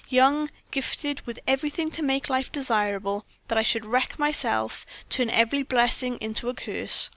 Young, gifted, with everything to make life desirable, that I should wreck myself, turn every blessing into a curse!